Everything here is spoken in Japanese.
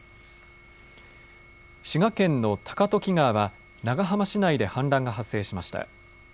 滋賀県の高時川は長浜市内で氾濫が発生しました。